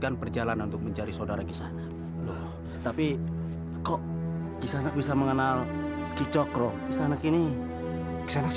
karena mereka akan segera mati